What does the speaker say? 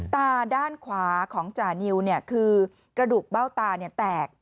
ตาด้านขวาของจานิวคือกระดูกเบ้าตาแตก